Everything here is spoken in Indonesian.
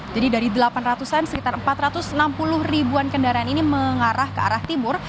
jadi dari delapan ratus an sekitar empat ratus enam puluh ribuan kendaraan ini mengarah ke arah timur